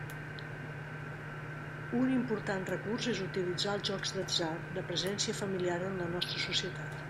Un important recurs és utilitzar els jocs d'atzar, de presència familiar en la nostra societat.